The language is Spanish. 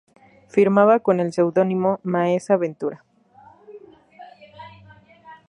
Firmaba con el seudónimo "Maese Ventura".